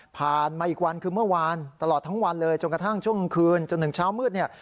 มาอีกวันคือเมื่อวานตลอดทั้งวันเลยจนกระทั่งช่วงกลางคืนจนถึงเช้ามืดเนี่ย